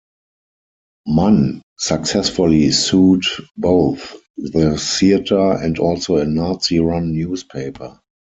Mann successfully sued both the theatre and also a Nazi run newspaper.